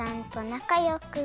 なかよく。